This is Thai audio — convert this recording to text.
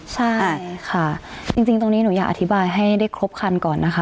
ใช่ค่ะจริงตรงนี้หนูอยากอธิบายให้ได้ครบคันก่อนนะคะ